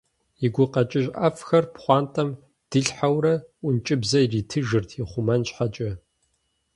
И гукъэкӏыж ӏэфӏхэр пхъуантэм дилъхьэурэ ӏункӏыбзэ иритыжырт ихъумэн щхьэкӏэ.